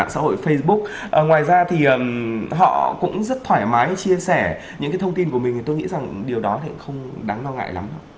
sau khi xem những cái hẹn sau đây